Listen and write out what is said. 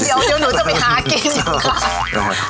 เดี๋ยวหนูจะไปหากิน